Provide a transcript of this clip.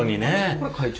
これ会長？